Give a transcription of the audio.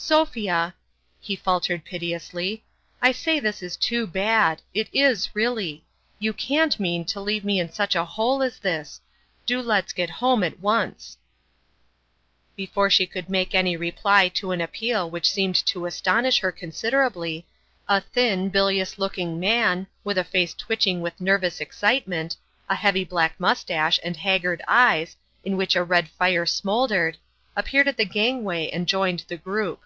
" Sophia," he faltered piteously, " I say this is too bad it is, really ! You can't mean to leave me in such a hole as this do let's get home at once !" Before she could make any reply to an ap peal which seemed to astonish her considerably, a thin, bilious looking man, with a face twitch ing with nervous excitement, a heavy black mustache, and haggard eyes, in which a red fire smoldered, appeared at the gangway and joined the group.